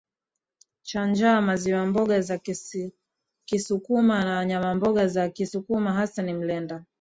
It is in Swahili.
cha njaamaziwamboga za kisukuma na nyama Mboga za kisukuma hasa ni mlenda